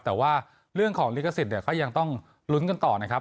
แต่ว่าเรื่องของลิขสิทธิ์ก็ยังต้องลุ้นกันต่อนะครับ